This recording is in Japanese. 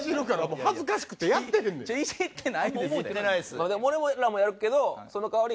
まあでも俺らもやるけどその代わり。